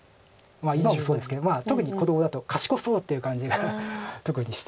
今もそうですけど特に子どもだと賢そうっていう感じが特にして。